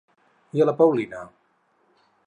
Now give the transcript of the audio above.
I a la Paulina?